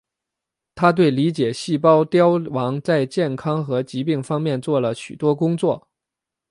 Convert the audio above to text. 他对理解细胞凋亡在健康和疾病方面做了许多工作。